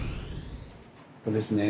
ここですね。